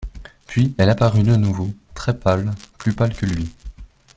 Puis elle apparut de nouveau très pâle, plus pâle que lui.